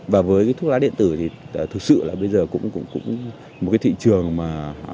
và với cái thuốc lá điện tử thì thực sự là bây giờ cũng một cái thị trường mà